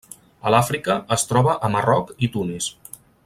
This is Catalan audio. A l'Àfrica es troba a Marroc i Tunis.